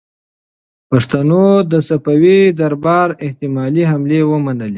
پښتنو د صفوي دربار احتمالي حملې ومنلې.